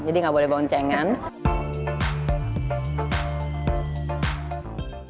jadi nggak boleh boncengan